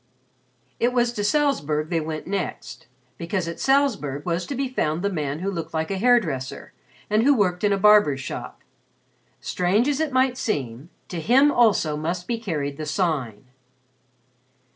It was to Salzburg they went next, because at Salzburg was to be found the man who looked like a hair dresser and who worked in a barber's shop. Strange as it might seem, to him also must be carried the Sign.